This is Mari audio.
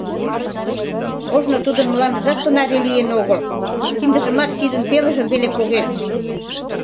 Ожно тудын мландыжат тынаре лийын огыл, киндыжымат тидын пелыжым веле поген.